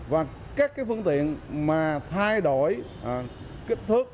và các phương tiện mà thay đổi kích thước